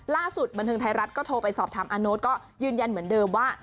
บันเทิงไทยรัฐก็โทรไปสอบถามอาโน๊ตก็ยืนยันเหมือนเดิมว่า